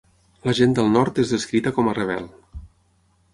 La gent del nord és descrita com a rebel.